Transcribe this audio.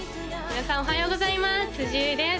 皆さんおはようございます辻優衣です